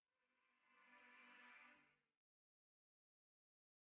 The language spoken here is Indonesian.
karena dia sudah berkking tamat